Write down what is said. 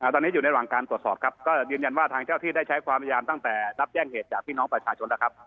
ตอนนี้อยู่ในระหว่างการตรวจสอบครับก็ยืนยันว่าทางเจ้าที่ได้ใช้ความพยายามตั้งแต่รับแจ้งเหตุจากพี่น้องประชาชนแล้วครับ